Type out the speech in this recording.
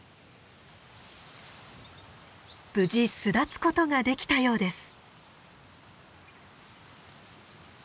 無事巣立つことができたようです。